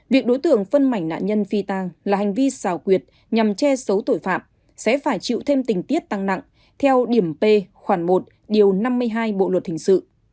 việc đối tượng phân mảnh nạn nhân phi tang là hành vi xào quyệt nhằm che giấu tội phạm sẽ phải chịu thêm tình tiết tăng nặng theo điểm p khoảng một điều năm mươi hai bộ luật hình sự